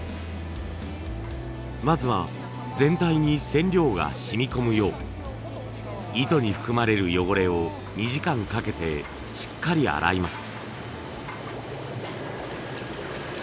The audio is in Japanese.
まずは全体に染料が染み込むよう糸に含まれる汚れを２時間かけてしっかり洗います。